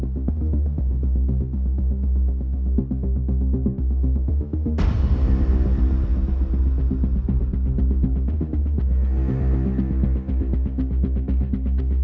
โปรดติดตามตอนต่อไป